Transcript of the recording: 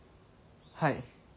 はい。